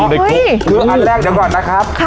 อันแรกเรียนก่อนนะครับ